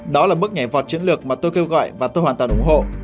đó là bước nhảy vọt chiến lược mà tôi kêu gọi và tôi hoàn toàn ủng hộ